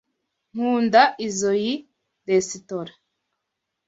Nkunda izoi resitora.